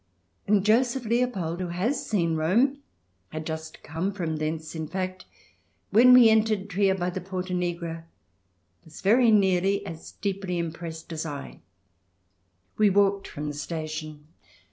And Joseph Leopold, who has seen Rome — had just come from thence, in fact — when we entered Trier by the Porta Nigra was very nearly as deeply impressed as I. We walked from the station.